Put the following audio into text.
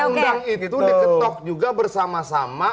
undang undang itu diketok juga bersama sama